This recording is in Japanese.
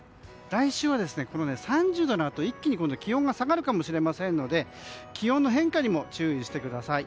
来週は３０度になると一気に気温が下がるかもしれませんので気温の変化にも注意してください。